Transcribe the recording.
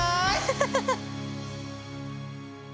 ハハハハ！